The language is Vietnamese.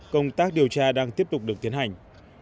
công tác điều tra đang tiếp tục được tiến hành